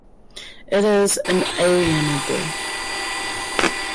It is inalienable.